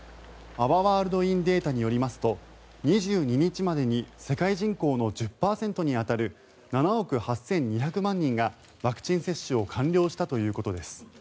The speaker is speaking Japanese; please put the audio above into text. アワー・ワールド・イン・データによりますと２２日までに世界人口の１０％に当たる７億８２００万人がワクチン接種を完了したということです。